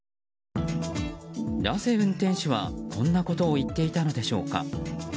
なぜ運転手はこんなことを言っていたのでしょうか。